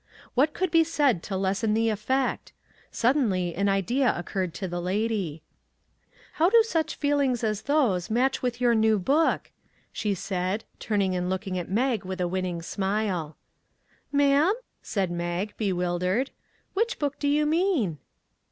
What could be said to lessen the effect ? Suddenly an idea oc curred to the lady. 258 A HARD LESSON " How do such feelings as those match with your new book ?" she asked, turning and look ing at Mag with a winning smile. " Ma'am? " said Mag, bewildered; " which book do you mean